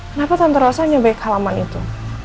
kenapa tante rosa nyebaik halaman itu